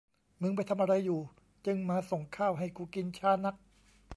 มึงไปทำอะไรอยู่จึงมาส่งข้าวให้กูกินช้านัก